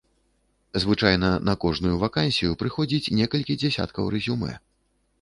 Звычайна на кожную вакансію прыходзіць некалькі дзясяткаў рэзюмэ.